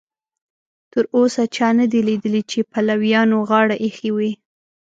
تر اوسه چا نه دي لیدلي چې پلویانو غاړه ایښې وي.